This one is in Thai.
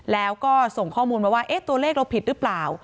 แล้วก็ส่งข้อมูลมาว่าตัวเลขเราผิดหรือเปล่า